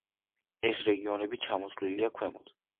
ეს რეგიონები ჩამოთვლილია ქვემოთ.